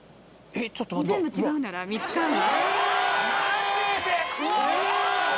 全部違うなら３つ買うわ。